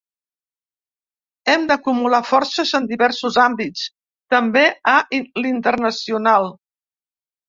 Hem d’acumular forces en diversos àmbits, també a l’internacional.